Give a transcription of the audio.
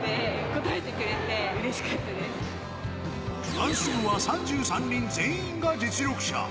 ダンス部は３３人全員が実力者。